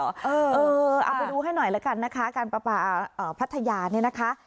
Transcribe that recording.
เอาไปดูให้หน่อยละกันนะคะการประปาพัทยาเนี่ยนะคะ